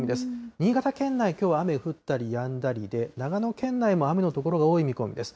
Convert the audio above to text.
新潟県内、きょうは雨降ったりやんだりで、長野県内も雨の所が多い見込みです。